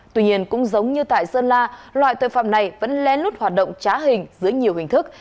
tuy nhiên cũng giống như tại sơn la loại tội phạm này vẫn len lút hoạt động trá hình dưới nhiều hình thức